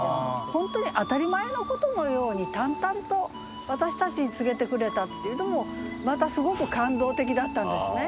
本当に当たり前のことのように淡々と私たちに告げてくれたっていうのもまたすごく感動的だったんですね。